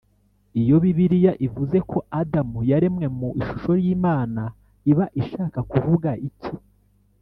Iyo Bibiliya ivuze ko Adamu yaremwe mu ishusho y Imana iba ishaka kuvuga iki?